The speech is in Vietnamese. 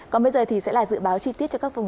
còn bây giờ thì sẽ là dự báo chi tiết cho các vùng